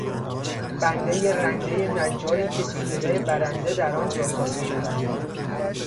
بدنهی رندهی نجاری که تیغهی برنده در آن جاسازی شده است.